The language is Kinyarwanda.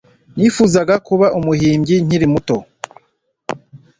Nifuzaga kuba umuhimbyi nkiri muto.